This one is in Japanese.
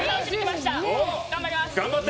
頑張ります！